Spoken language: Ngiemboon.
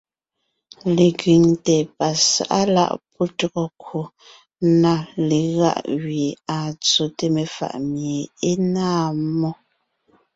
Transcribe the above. Lekẅiŋte pasáʼa láʼ pɔ́ tÿɔgɔ kwò na legáʼ gẅie à tsóte mefàʼ mie é náa mmó,